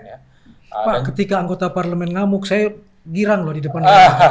pak ketika anggota parlemen ngamuk saya girang loh di depan mata